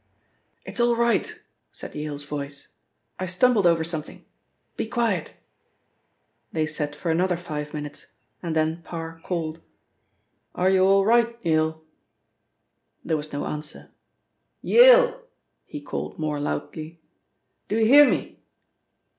"It is all right," said Yale's voice, "I stumbled over something. Be quiet." They sat for another five minutes, and then Parr called. "Are you all right, Yale?" There was no answer. "Yale!" he called more loudly. "Do you hear me?"